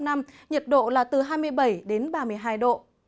nhiệt độ là từ hai mươi bảy đến ba mươi hai độ